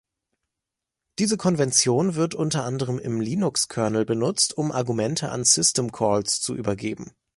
Diese Konvention wird unter anderem im Linux-Kernel benutzt, um Argumente an System-Calls zu übergeben.